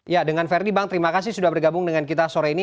ya dengan verdi bang terima kasih sudah bergabung dengan kita sore ini